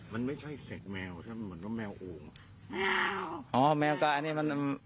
มันไม่ใช่เสกแมวเข้าแมวออ้าว